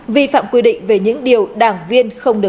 vi phạm quy định về những điều đảng viên không được